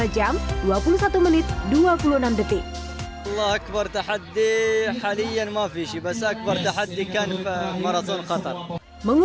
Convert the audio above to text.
jika tidak tidak ada perut barang